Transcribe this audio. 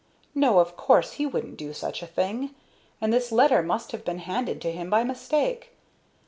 No, of course he wouldn't do such a thing; and this letter must have been handed to him by mistake.